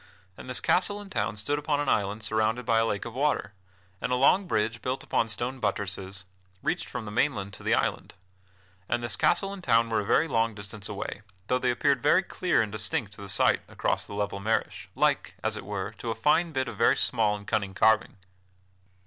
And this castle and town stood upon an island surrounded by a lake of water, and a long bridge, built upon stone buttresses, reached from the mainland to the island. And this castle and town were a very long distance away, though they appeared very clear and distinct to the sight across the level marish, like, as it were, to a fine bit of very small and cunning carving.